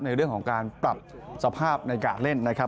ในเรื่องของการปรับสภาพในการเล่นนะครับ